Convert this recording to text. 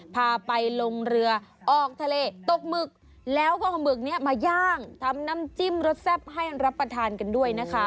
พาไปลงเรือออกทะเลตกหมึกแล้วก็เอาหมึกนี้มาย่างทำน้ำจิ้มรสแซ่บให้รับประทานกันด้วยนะคะ